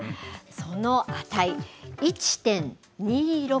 その値、１．２６。